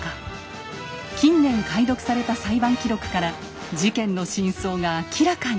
近年解読された裁判記録から事件の真相が明らかに！